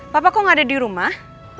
papa kok gak ada dirumah